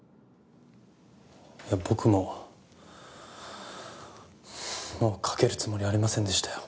僕ももうかけるつもりありませんでしたよ。